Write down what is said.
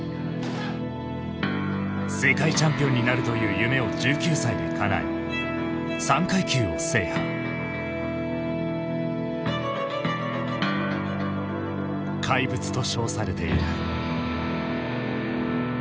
世界チャンピオンになるという夢を１９歳でかなえ「怪物」と称されている。